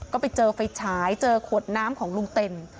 ก็ไปเจอไฟฉายเจอขวดน้ำของลุงเต็น